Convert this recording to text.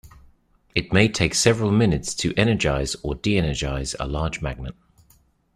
It may take several minutes to energize or deenergize a large magnet.